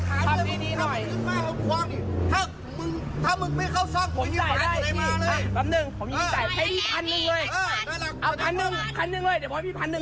ถ้ามึงไม่เข้าซ่าผมหญิงผันตัวเด็กมาเลย